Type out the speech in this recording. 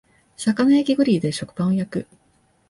魚焼きグリルで食パンを焼く